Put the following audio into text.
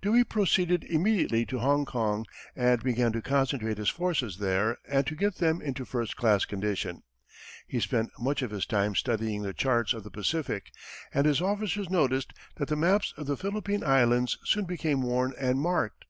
Dewey proceeded immediately to Hong Kong, and began to concentrate his forces there and to get them into first class condition. He spent much of his time studying the charts of the Pacific, and his officers noticed that the maps of the Philippine Islands soon became worn and marked.